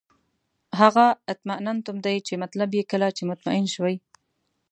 هغه اطماننتم دی چې مطلب یې کله چې مطمئن شوئ.